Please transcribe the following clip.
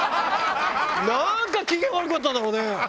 なんか機嫌悪かったんだろうね。